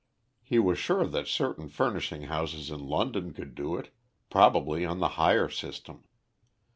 He was sure that certain furnishing houses in London could do it, probably on the hire system.